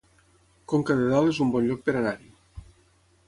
Conca de Dalt es un bon lloc per anar-hi